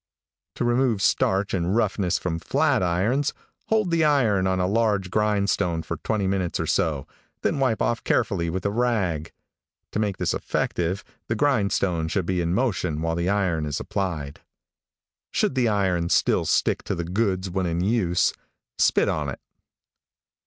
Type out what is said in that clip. To remove starch and roughness from flatirons, hold the iron on a large grindstone for twenty minutes or so, then wipe off carefully with a rag. To make this effective, the grindstone should be in motion while the iron is applied. Should the iron still stick to the goods when in use, spit on it.